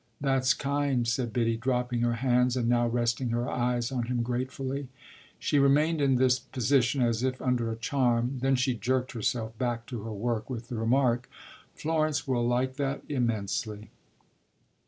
"That's kind," said Biddy, dropping her hands and now resting her eyes on him gratefully. She remained in this position as if under a charm; then she jerked herself back to her work with the remark: "Florence will like that immensely."